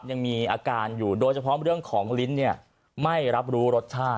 ยังมีอาการอยู่โดยเฉพาะเรื่องของลิ้นเนี่ยไม่รับรู้รสชาติ